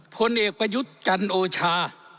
ผลเอกประยุทธ์จันโอชา